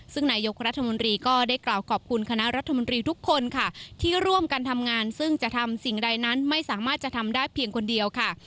ซึ่งนายกรัฐมนตรีก็ได้กล่าวขอบคุณคณะรัฐมนตรีทุกคนค่ะที่ร่วมกันทำงานซึ่งจะทำสิ่งใดนั้นไม่สามารถจะทำได้เพียงคนเดียวค่ะ